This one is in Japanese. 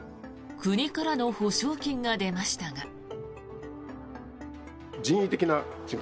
国からの補償金が出ましたが。